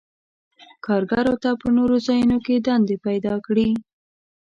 کارګرو ته په نورو ځایونو کې دندې پیداکړي.